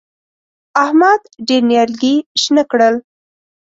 احمد ډېر نيالګي شنه کړل.